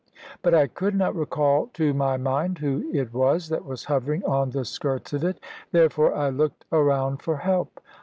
But I could not recall to my mind who it was that was hovering on the skirts of it; therefore I looked around for help.